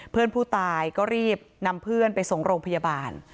เพื่อนผู้ตายก็รีบนำเพื่อนไปส่งโรงพยาบาล